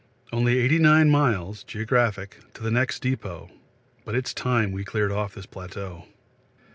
Only 89 miles (geogr.) to the next depot, but it's time we cleared off this plateau.